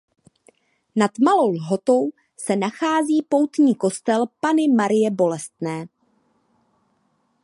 Nad Malou Lhotou se nachází poutní kostel Panny Marie Bolestné.